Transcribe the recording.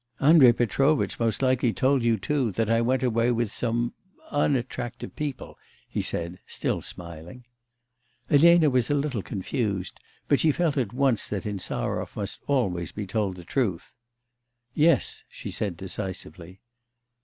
'Andrei Petrovitch most likely told you too that I went away with some unattractive people,' he said, still smiling. Elena was a little confused, but she felt at once that Insarov must always be told the truth. 'Yes,' she said decisively.